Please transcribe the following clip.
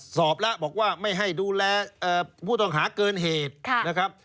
สอบแล้วบอกว่าไม่ให้ดูแลผู้ต้องหาเกินเหตุนะครับ